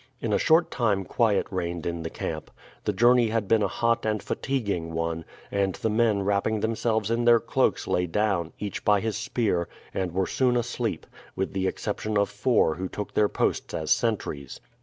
In a short time quiet reigned in the camp. The journey had been a hot and fatiguing one, and the men wrapping themselves in their cloaks lay down, each by his spear, and were soon asleep, with the exception of four who took their posts as sentries.